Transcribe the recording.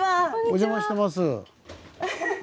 お邪魔してます。